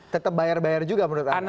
tetap bayar bayar juga menurut anda